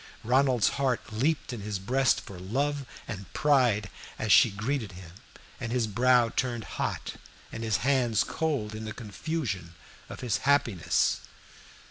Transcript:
Ronald's heart leaped in his breast for love and pride as she greeted him, and his brow turned hot and his hands cold in the confusion of his happiness.